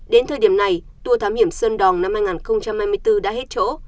đến thời điểm này tour thám hiểm sơn đòn năm hai nghìn hai mươi bốn đã hết chỗ